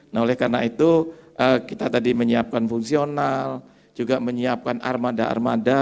nah oleh karena itu kita tadi menyiapkan fungsional juga menyiapkan armada armada